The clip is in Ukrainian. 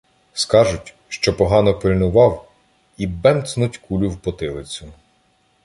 Скажуть, що погано пильнував, і бемцнуть кулю в потилицю.